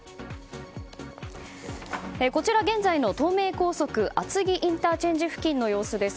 こちら現在の東名高速厚木ＩＣ付近の様子です。